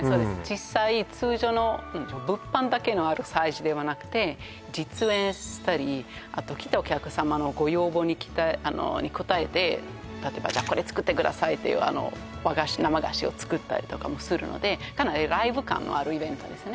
実際通常の物販だけのある催事ではなくて実演したりあと来たお客様のご要望に応えて例えばじゃこれ作ってくださいっていう和菓子生菓子を作ったりとかもするのでかなりライブ感のあるイベントですね